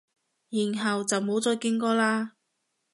然後就冇再見過喇？